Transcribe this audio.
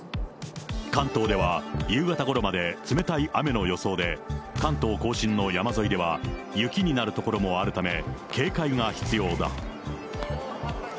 関東では夕方ごろまで冷たい雨の予想で、関東甲信の山沿いでは、雪になる所もあるため、警戒が必要だ。